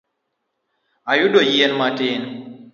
Ayudo yien matin